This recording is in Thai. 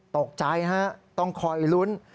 ตกใจฮะต้องคอยลุ้น